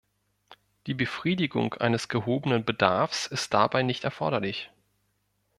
Die Befriedigung eines gehobenen Bedarfs ist dabei nicht erforderlich.